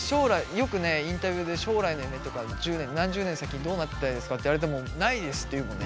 よくねインタビューで「将来の夢」とか「１０年何十年先どうなりたいですか？」って言われても「ないです」って言うもんね。